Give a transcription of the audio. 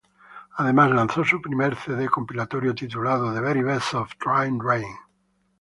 Además, lanzó su primer cd compilatorio, titulado "The Very Best of Trine Rein".